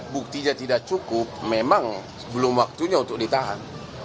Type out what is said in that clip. buktinya tidak cukup memang belum waktunya untuk ditahan